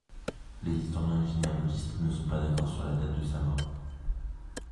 Les historiens et généalogistes ne sont pas d'accord sur la date de sa mort.